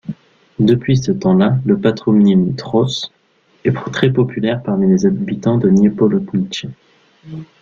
Depuis ce temps-là le patronyme Trzos est très populaire parmi les habitants de Niepołomice.